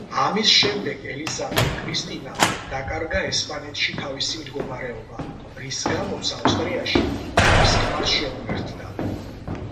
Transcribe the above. ამის შემდეგ ელიზაბეთ კრისტინამ დაკარგა ესპანეთში თავისი მდგომარეობა, რის გამოც ავსტრიაში თავის ქმარს შეუერთდა.